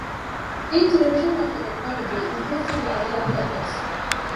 Each revision of the technology increased the available effects.